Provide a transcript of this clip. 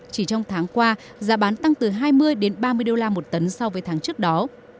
chỉ trong tháng qua giá bán tăng từ hai mươi đến ba mươi đô la một tấn so với tháng trước đó